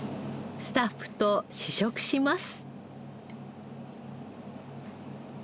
スタッフと試食します。